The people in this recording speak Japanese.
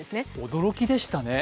驚きでしたね。